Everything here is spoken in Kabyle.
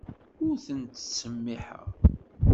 Ur ten-ttsemmiḥeɣ.